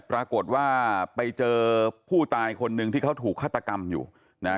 ปรากฏว่าไปเจอผู้ตายคนหนึ่งที่เขาถูกฆาตกรรมอยู่นะฮะ